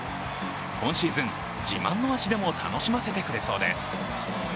今シーズン自慢の足でも楽しませてくれそうです。